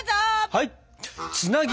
はい！